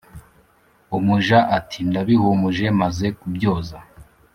Umuja ati"ndabihumuje maze kubyoza